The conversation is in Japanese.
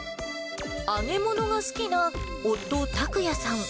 揚げ物が好きな夫、拓也さん。